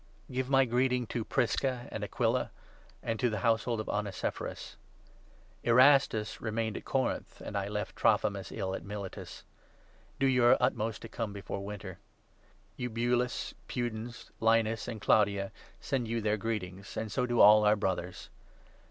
Give my greeting to Prisca and Aquila, and to 19 FaiBtea"inand the nousehold of Onesiphorus. Erastus remained at Corinth, and I left 20 Trophimus ill at Miletus. Do your utmost to come 21 before winter. Eubulus, Pudens, Linus and Claudia send you their greet ings, and so do all our Brothers.